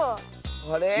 あれ？